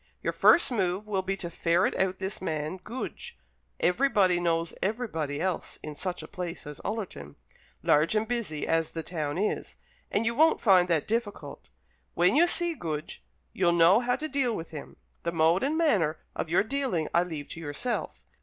Your first move will be to ferret out this man Goodge. Everybody knows everybody else in such a place as Ullerton, large and busy as the town is, and you won't find that difficult. When you see Goodge, you'll know how to deal with him. The mode and manner of your dealing I leave to yourself.